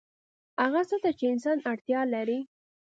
هغه څه ته چې انسان اړتیا لري